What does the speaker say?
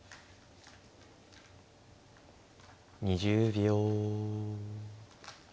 ２０秒。